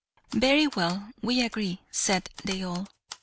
"Very well, we agree," said they all.